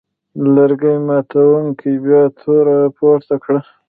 لرګي ماتوونکي بیا توره پورته کړه.